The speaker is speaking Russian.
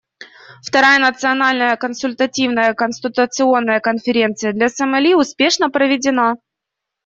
Вторая Национальная консультативная конституционная конференция для Сомали успешно проведена.